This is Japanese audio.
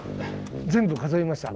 全部数えました！